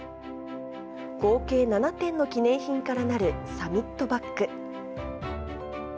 合計７点の記念品からなるサミットバッグ。